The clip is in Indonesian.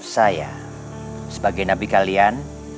saya sebagai nabi kalian